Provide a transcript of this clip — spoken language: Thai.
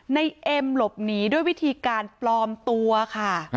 เอ็มหลบหนีด้วยวิธีการปลอมตัวค่ะ